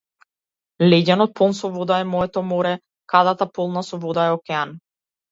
Леѓенот полн со вода е моето море, кадата полна со вода е океан.